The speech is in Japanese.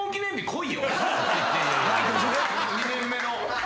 ２年目の。